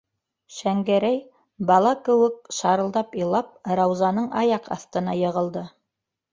- Шәңгәрәй, бала кеүек шарылдап илап, Раузаның аяҡ аҫтына йығылды.